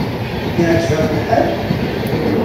Iɛǧeb-am lḥal?